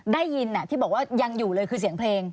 ได้ยินที่บอกว่ายังอยู่เลยคือเสียงเพลง